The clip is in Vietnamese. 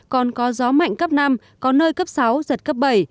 còn có gió mạnh cấp năm có nơi cấp sáu giật cấp bảy